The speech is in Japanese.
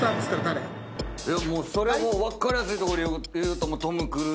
それもう分かりやすいとこで言うとトム・クルーズ。